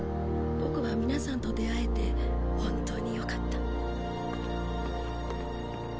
ボクは皆さんと出会えて本当によかった。